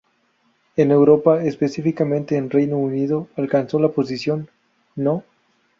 En Europa específicamente en Reino Unido alcanzó la posición No.